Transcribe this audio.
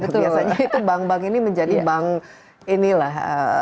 biasanya itu bank bank ini menjadi bank ini lah